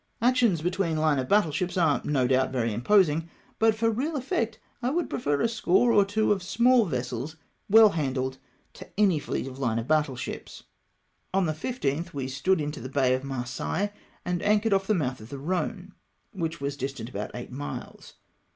Actions between line of battle ships are, no doubt, very imposing ; but for real effect, I would prefer a score or two of small vessels, well handled, to any fleet of hne of battle ships. On the 15th we stood into the Bay of Marseilles, and anchored off the mouth of the Khone, which was dis tant about eight miles.